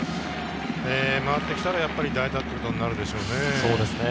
回ってきたら代打ということになるでしょうね。